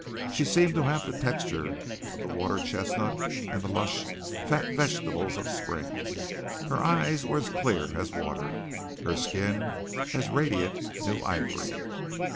She seemed to have the texture of the water chestnut and the lush, fat vegetables of the spring. Her eyes were as clear as water; her skin as radiant new ivory.